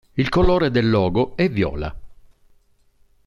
Il colore del logo è viola.